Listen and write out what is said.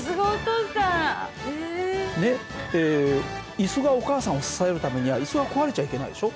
イスがお母さんを支えるためにはイスは壊れちゃいけないでしょ。